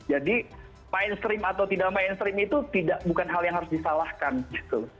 jadi main stream atau tidak main stream itu bukan hal yang harus disalahkan gitu